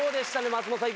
松本さん